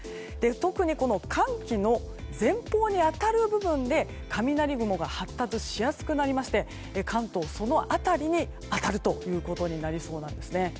特に寒気の前方に当たる部分で雷雲が発達しやすくなりまして関東、その辺りに当たるということになりそうなんですね。